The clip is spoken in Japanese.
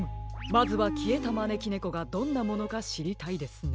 まずはきえたまねきねこがどんなものかしりたいですね。